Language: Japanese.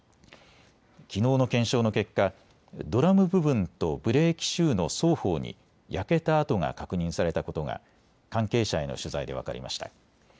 きのうの検証の結果、ドラム部分とブレーキシューの双方に焼けた跡が確認されたことが関係者への取材で分かりました。